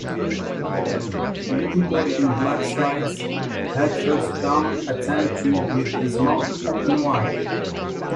A little boy in black slides headfirst down a tan tube with his mouth open wide.